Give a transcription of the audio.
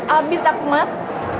abis aku mas